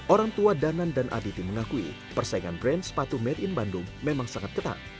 orang tua danan dan aditi mengakui persaingan brand sepatu made in bandung memang sangat ketat